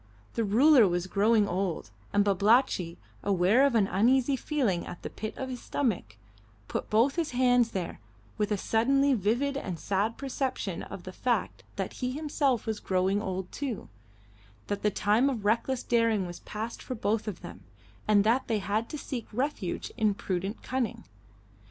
The ruler was growing old, and Babalatchi, aware of an uneasy feeling at the pit of his stomach, put both his hands there with a suddenly vivid and sad perception of the fact that he himself was growing old too; that the time of reckless daring was past for both of them, and that they had to seek refuge in prudent cunning.